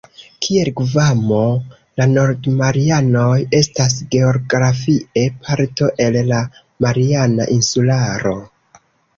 Kiel Gvamo, la Nord-Marianoj estas geografie parto el la Mariana insularo.